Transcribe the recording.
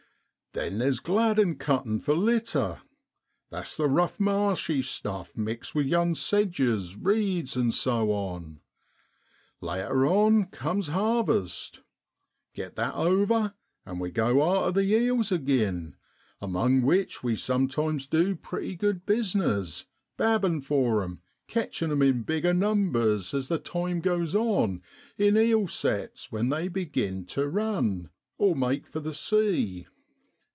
Then there's gladdon cuttin' for litter that's the rough marshy stuff mixed with young sedges, reeds, an' so on. Later on cums harvest. Gret that over, and we go arter the eels agin, among which we sometimes du pretty good bisness, l babbin ' for 'em, catchin' 'em in bigger numbers as the FEBRUARY IN RROADLAND. 23 time goes on, in eel sets, when they begin tu run (make for the sea).